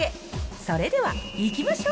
それでは、いきましょう。